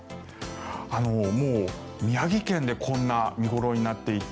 もう宮城県でこんな見頃になっていて。